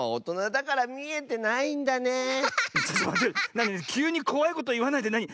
なにきゅうにこわいこといわないで。